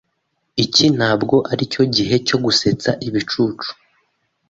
Iki ntabwo aricyo gihe cyo gusetsa ibicucu.